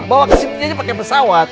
bawa kesini aja pake pesawat